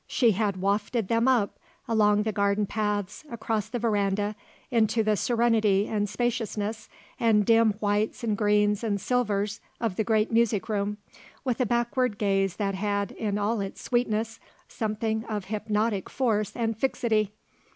She had wafted them up, along the garden paths, across the verandah, into the serenity and spaciousness and dim whites and greens and silvers of the great music room, with a backward gaze that had, in all its sweetness, something of hypnotic force and fixity.